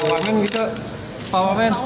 pak wamen pak wamen